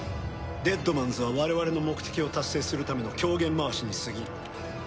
デッドマンズは我々の目的を達成するための狂言回しに過ぎん。